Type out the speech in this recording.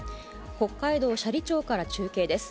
北海道斜里町から中継です。